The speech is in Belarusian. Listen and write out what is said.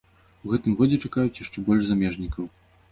У гэтым годзе чакаюць яшчэ больш замежнікаў.